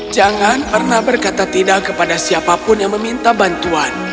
jangan pernah berkata tidak kepada siapapun yang meminta bantuan